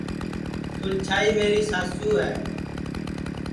تُلچھائی میری ساسُو ہے